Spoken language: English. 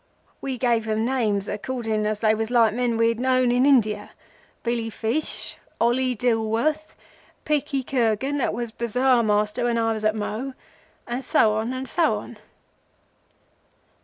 We gave them names according as they was like men we had known in India—Billy Fish, Holly Dilworth, Pikky Kergan that was Bazar master when I was at Mhow, and so on, and so on.